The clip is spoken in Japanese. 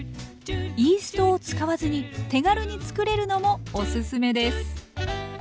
イーストを使わずに手軽に作れるのもおすすめです。